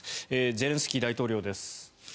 ゼレンスキー大統領です。